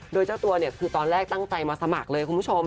โดยเจ้าตัวเนี่ยคือตอนแรกตั้งใจมาสมัครเลยคุณผู้ชม